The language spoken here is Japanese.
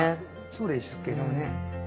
そうですけどね。